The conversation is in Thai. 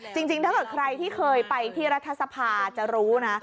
จริงถ้าเกิดใครที่เคยไปที่รัฐสภาจะรู้นะ